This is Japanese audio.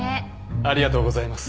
ありがとうございます。